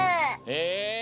へえ。